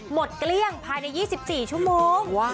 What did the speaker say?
เกลี้ยงภายใน๒๔ชั่วโมง